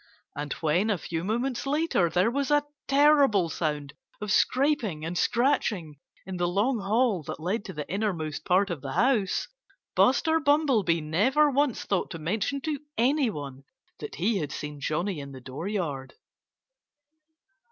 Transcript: And when, a few moments later, there was a terrible sound of scraping and scratching in the long hall that led to the innermost part of the house, Buster Bumblebee never once thought to mention to anyone that he had seen Johnnie in the dooryard.